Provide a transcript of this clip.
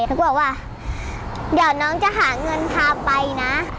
เขาก็บอกว่าเดี๋ยวน้องจะหาเงินพาไปนะ